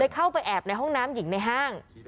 เข้าไปแอบในห้องน้ำหญิงในห้าง